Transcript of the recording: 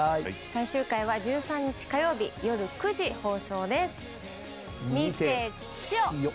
最終回は１３日火曜日よる９時放送です。